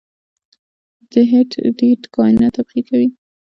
د هیټ ډیت کائنات تبخیر کوي.